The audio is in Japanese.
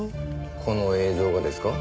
この映像がですか？